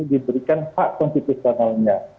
diberikan hak konstitusionalnya